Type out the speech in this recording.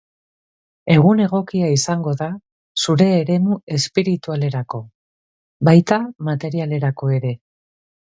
Egun egokia izango da zure eremu espiritualerako, baita materialerako ere.